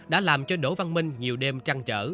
đã làm cho đỗ văn minh nhiều đêm trăng trở